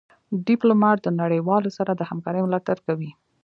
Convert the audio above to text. ډيپلومات د نړېوالو سره د همکارۍ ملاتړ کوي.